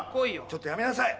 ちょっとやめなさい！